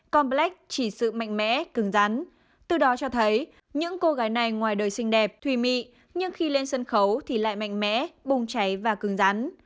con black chỉ sự mạnh mẽ cứng rắn từ đó cho thấy những cô gái này ngoài đời xinh đẹp thùy mị nhưng khi lên sân khấu thì lại mạnh mẽ bùng cháy và cứng rắn